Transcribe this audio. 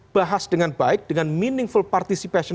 bahas dengan baik dengan meaningful participation